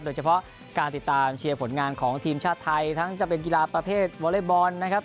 โดยเฉพาะการติดตามเชียร์ผลงานของทีมชาติไทยทั้งจะเป็นกีฬาประเภทวอเล็กบอลนะครับ